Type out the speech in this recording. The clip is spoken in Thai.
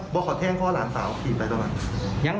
ผมขอแทงพ่อหลานสาวกินไปตอนนั้น